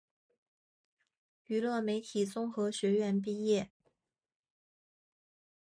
娱乐媒体综合学院毕业。